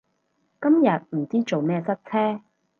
今日唔知做咩塞車